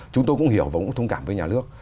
chúng tôi cũng hiểu và cũng thông cảm với nhà nước